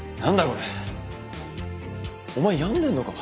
これお前病んでんのか？